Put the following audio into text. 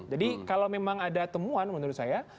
jadi kalau memang ada temuan menurut saya